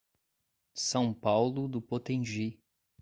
São Paulo do Potengi